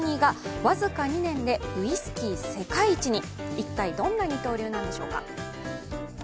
一体、どんな二刀流なんでしょうか。